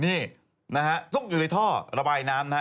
นี่นะฮะซุกอยู่ในท่อระบายน้ำนะฮะ